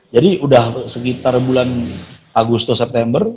jadi udah sekitar bulan agustus september